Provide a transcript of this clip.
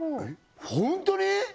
ホントに！？